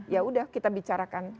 ya udah kita bicarakan